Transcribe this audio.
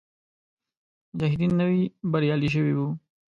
مجاهدین نوي بریالي شوي وو.